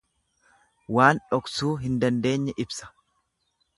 Waan dhoksuu hin dandeenye ibsa.